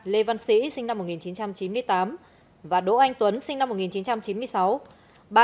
lê văn sĩ sinh năm một nghìn chín trăm chín mươi tám và đỗ anh tuấn sinh năm một nghìn chín trăm chín mươi sáu